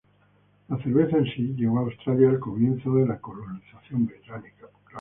La cerveza en sí llegó a Australia al comienzo de la colonización británica.